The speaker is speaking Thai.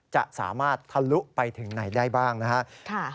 จะสามารถทะลุไปถึงไหนได้บ้างนะครับ